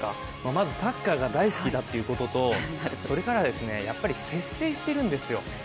まず、サッカーが大好きだっていうこととそれから、やっぱり摂生してるんですよ。